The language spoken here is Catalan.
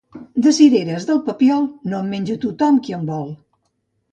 De cireres del Papiol, no en menja tothom qui en vol.